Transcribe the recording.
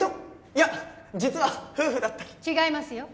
いや実は夫婦だったり違いますよ